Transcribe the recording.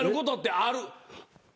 ある！